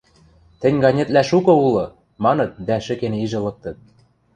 Тӹнь ганетвлӓ шукы улы! – маныт дӓ шӹкен ижӹ лыктыт.